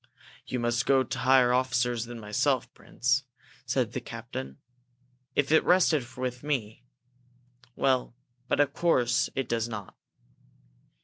"You must go to higher officers than myself, Prince," said the captain. "If it rested with me ! But, of course, it does not.